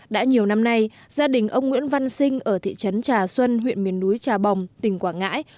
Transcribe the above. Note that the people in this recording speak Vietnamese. đã nhiều năm nay gia đình ông nguyễn văn sinh ở thị trấn trà xuân huyện miền núi trà bồng tỉnh quảng ngãi